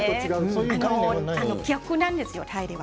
逆なんです、タイは。